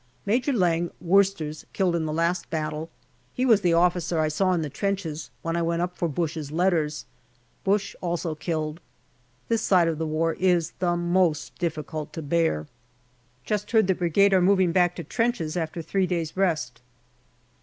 Major Lang, Worcesters, killed in the last battle. He was the officer I saw in the trenches when I went up for Bush's letters. Bush also killed. This side of the war is the most difficult to bear. Just heard that Brigade are moving back to trenches after three days' rest.